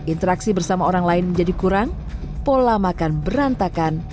interaksi bersama orang lain menjadi kurang pola makan berantakan